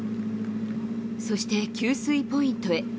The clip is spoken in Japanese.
そして給水ポイントへ。